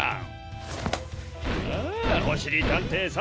あおしりたんていさん